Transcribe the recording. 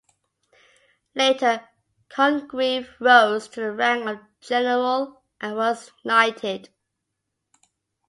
Later Congreve rose to the rank of general and was knighted.